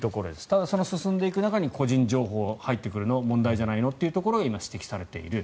ただ、その進んでいく中に個人情報が入ってくるのが問題じゃないのというところを今、指摘されている。